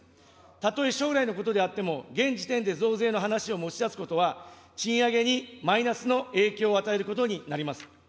たとえ将来のことであっても、現時点で増税の話を持ち出すことは、賃上げにマイナスの影響を与えることになります。